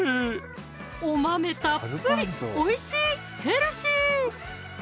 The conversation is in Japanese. たっぷりおいしいヘルシー